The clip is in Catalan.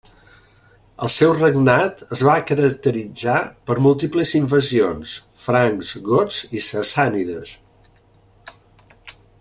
El seu regnat es va caracteritzar per múltiples invasions: francs, gots i sassànides.